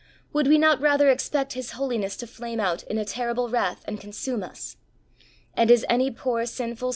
Would we not rather expect His holiness to flame out in terrible wrath and consume us ? And is any poor sinful